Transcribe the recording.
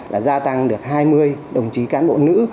là gia tăng được hai mươi đồng chí cán bộ nữ